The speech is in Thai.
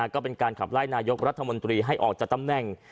ก็เป็นการขับไล่นายกรัฐมนตรีให้ออกจากตำแหน่ง